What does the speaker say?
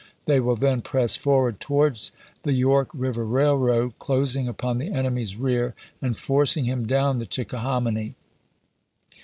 They will then press forward towards the York River Railroad, closing upon the enemy's rear, and forcing him down the Chickahominy.